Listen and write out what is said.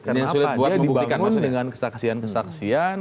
karena apa dia dibangun dengan kesaksian kesaksian